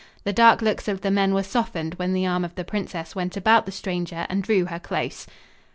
The dark looks of the men were softened when the arm of the princess went about the stranger and drew her close.